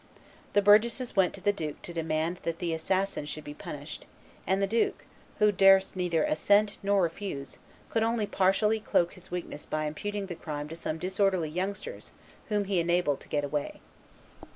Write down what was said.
The burgesses went to the duke to demand that the assassin should be punished; and the duke, who durst neither assent nor refuse, could only partially cloak his weakness by imputing the crime to some disorderly youngsters whom he enabled to get away.